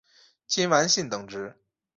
金丸信等职。